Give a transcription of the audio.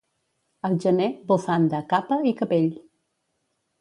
Al gener, bufanda, capa i capell.